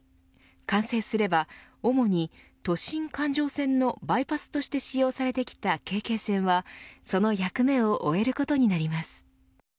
完成すれば主に都心環状線のバイパスとして使用されてきたＫＫ線は、その役目を終えることになります。